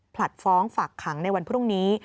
ผลัดฟ้องฝากขังในวันพรุ่งนี้